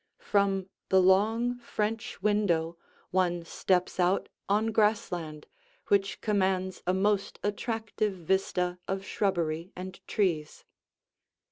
From the long French window one steps out on grass land which commands a most attractive vista of shrubbery and trees.